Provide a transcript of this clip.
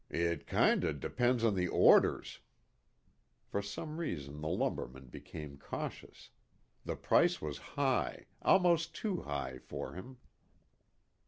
"It kind o' depends on the orders." For some reason the lumberman became cautious. The price was high almost too high for him.